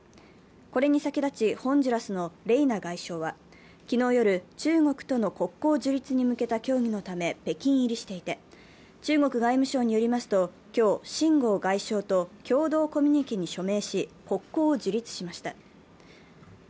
これに先立ち、ホンジュラスのレイナ外相は昨日夜、中国との国交樹立に向けた協議のため北京入りしていて、中国外務省によりますと、秦剛外相と共同コミュニケに署名し、国交を樹立しました。